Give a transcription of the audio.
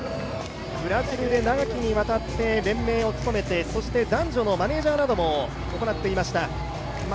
ブラジルで長きにわたって連盟を務めて、そして男女のマネージャーなども行っていました。